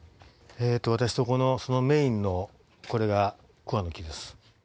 私とこのメインのこれがクワの木です。